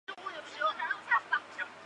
伊凡雷帝和捷姆留克的女儿结姻。